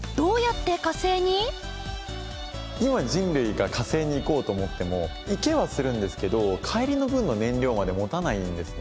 今人類が火星に行こうと思っても行けはするんですけど帰りの分の燃料まで持たないんですね。